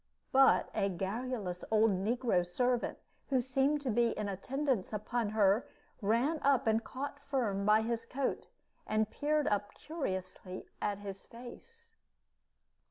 But a garrulous old negro servant, who seemed to be in attendance upon her, ran up and caught Firm by his coat, and peered up curiously at his face.